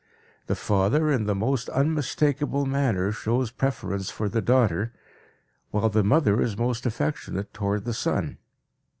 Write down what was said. The father in the most unmistakable manner shows preference for the daughter, while the mother is most affectionate toward the son.